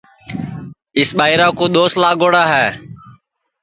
اِس ٻائیرا کُو دؔوس لاگوڑا ہے